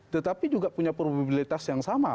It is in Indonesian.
tetapi juga punya probabilitas yang sama